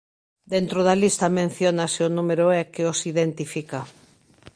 Dentro da lista menciónase o número E que os identifica.